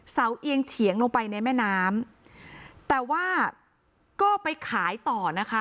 เอียงเฉียงลงไปในแม่น้ำแต่ว่าก็ไปขายต่อนะคะ